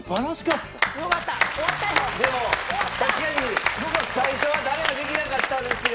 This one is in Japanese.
でも確かに最初は誰もできなかったんですが。